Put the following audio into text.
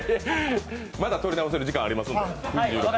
まだ撮り直せる時間、ありますので、９時１６分。